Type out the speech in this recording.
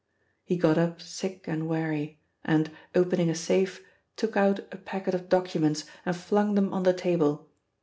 He got up sick and weary, and, opening a safe, took out a packet of documents and flung them on the table.